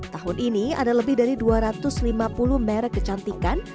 tahun ini ada lebih dari dua ratus lima puluh merek kecantikan